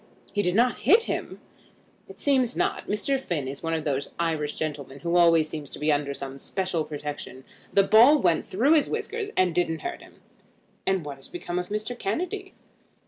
"He did not hit him?" "It seems not. Mr. Finn is one of those Irish gentlemen who always seem to be under some special protection. The ball went through his whiskers and didn't hurt him." "And what has become of Mr. Kennedy?"